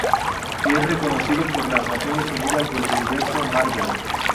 Es reconocido por las Naciones Unidas del Universo Marvel.